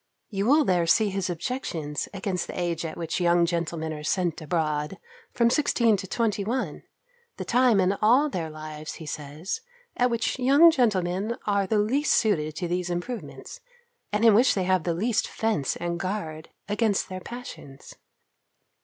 You will there see his objections against the age at which young gentlemen are sent abroad, from sixteen to twenty one, the time in all their lives, he says, at which young gentlemen are the least suited to these improvements, and in which they have the least fence and guard against their passions.